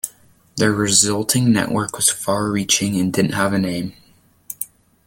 The resulting network was far reaching and didn't have a name.